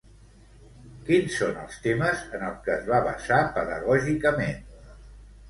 Quins són els temes en el que es va basar pedagògicament?